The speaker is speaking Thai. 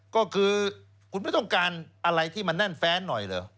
ก็คือคุณไม่ต้องการอะไรที่มันแน่นแฟนหน่อยเหรอ